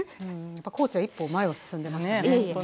やっぱコーチは一歩前を進んでましたね。